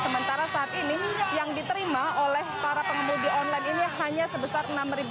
sementara saat ini yang diterima oleh para pengemudi online ini hanya sebesar enam lima ratus